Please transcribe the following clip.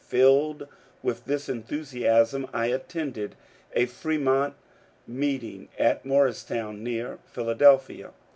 Filled with this enthusiasm, I attended a Fremont meeting at Morristown, near Philadelphia.